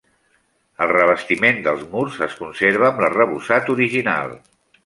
El revestiment dels murs es conserva amb l'arrebossat original.